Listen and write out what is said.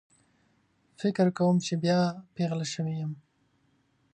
فکر کوم چې بیا پیغله شوې یم